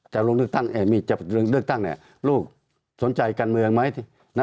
จะเลือกตั้งเนี่ยลูกสนใจกันเมืองไหม